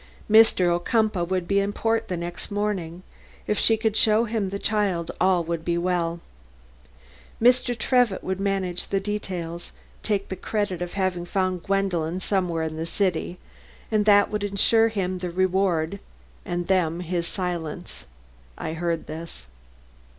Mr. Ocumpaugh would be in port the next morning; if she could show him the child all would be well. Mr. Trevitt would manage the details; take the credit of having found Gwendolen somewhere in this great city, and that would insure him the reward and them his silence. (I heard this.)